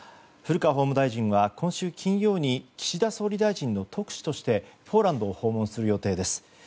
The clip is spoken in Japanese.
古川法務大臣は今週金曜に岸田総理大臣の特使としてポーランドを訪問する予定です。